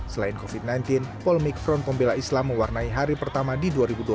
selain covid sembilan belas polemik front pembela islam mewarnai hari pertama di dua ribu dua puluh satu